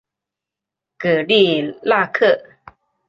戈利纳克。